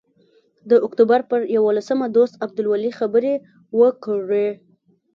د اکتوبر پر یوولسمه دوست عبدالولي خبرې وکړې.